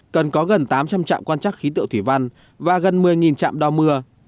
cần có gần tám trăm linh trạm quan trắc khí tượng thủy văn và gần một mươi trạm đo mưa